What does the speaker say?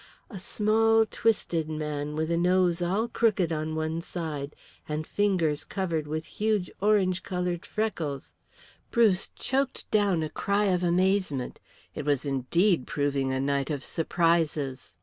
A small, twisted man, with a nose all crooked on one side, and fingers covered with huge orange coloured freckles! Bruce choked down a cry of amazement. It was indeed proving a night of surprises.